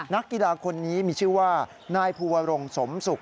นักกีฬาคนนี้มีชื่อว่านายภูวรงสมศุกร์